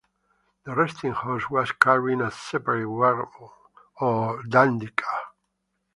The resting horse was carried in a separate wagon or 'dandy car'.